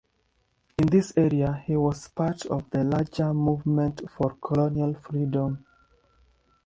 In this area, he was a part of the larger Movement for Colonial Freedom.